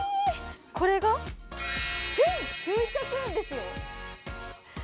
これが１９００円ですよ。